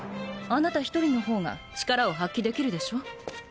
あなた一人の方が力を発揮できるでしょ。